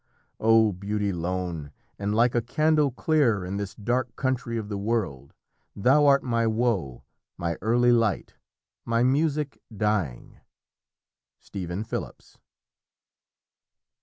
O beauty lone and like a candle clear In this dark country of the world! Thou art My woe, my early light, my music dying." Stephen Phillips.